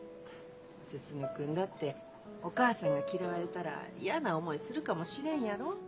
進君だってお母さんが嫌われたら嫌な思いするかもしれんやろ？